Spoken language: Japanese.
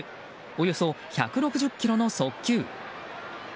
およそ１６０キロの速球。